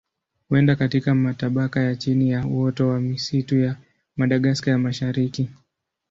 Huenda katika matabaka ya chini ya uoto wa misitu ya Madagaska ya Mashariki.